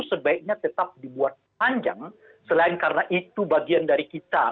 sebaiknya tetap dibuat panjang selain karena itu bagian dari kita